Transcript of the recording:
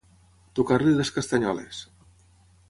Tocar-li les castanyoles.